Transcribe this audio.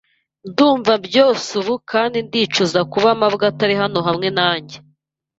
Ndumva byose ubu kandi ndicuza kuba mabwa atari hano hamwe nanjye.